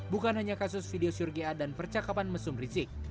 bukan hanya kasus video syurga dan percakapan mesum rizik